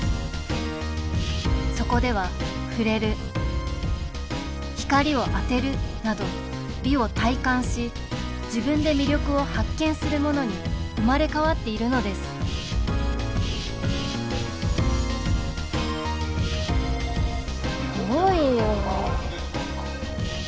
そこでは、触れる光を当てるなど、美を体感し自分で魅力を発見するものに生まれ変わっているのですすごいよ。